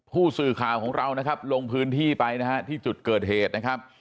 ผู้สื่อข่าวของเรานะครับลงพื้นที่ไปนะฮะที่จุดเกิดเหตุนะครับ